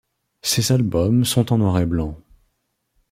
Ces albums sont en noir et blanc.